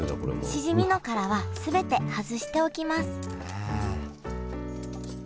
しじみの殻は全て外しておきますへえ！